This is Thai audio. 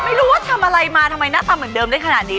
ไม่รู้ว่าทำอะไรมาทำไมหน้าตาเหมือนเดิมได้ขนาดนี้